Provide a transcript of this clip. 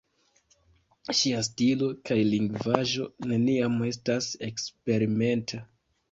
Ŝia stilo kaj lingvaĵo neniam estas eksperimenta.